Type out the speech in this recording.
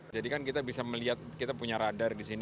jadi kan kita bisa melihat kita punya radar di sini